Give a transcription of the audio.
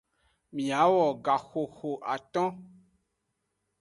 Miawo gaxoxoaton.